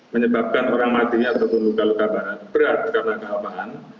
menyebabkan orang mati atau penyeludukan luka barat berat karena kehappaan